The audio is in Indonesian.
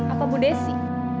apa bu desi